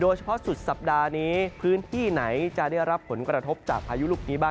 สุดสัปดาห์นี้พื้นที่ไหนจะได้รับผลกระทบจากพายุลูกนี้บ้าง